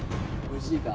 おいしいか。